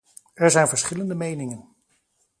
Er zijn verschillende meningen.